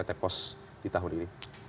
paket yang terpaksa di tahun ini